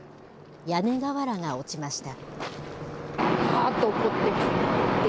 屋根瓦が落ちました。